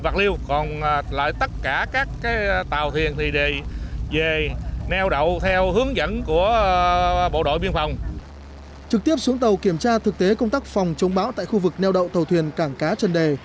trực tiếp xuống tàu kiểm tra thực tế công tác phòng chống bão tại khu vực neo đậu tàu thuyền cảng cá trần đề